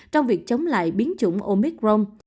trong việc chống lại biến chủng omicron